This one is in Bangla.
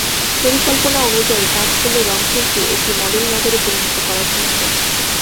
পরিকল্পনা অনুযায়ী কাজ করলে রংপুরকে একটি মডেল নগরে পরিণত করা সম্ভব।